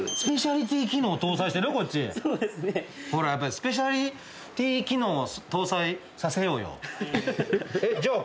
スペシャリティー機能を搭載させようよ。